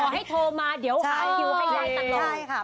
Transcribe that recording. ขอให้โทรมาเดี๋ยวหาคิวให้ย้ายต่างโลก